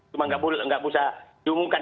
cuma enggak bisa diunggah